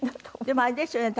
でもあれですよね。